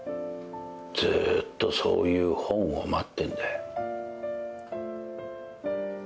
ずーっとそういう本を待ってんだよ。